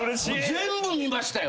全部見ましたよ。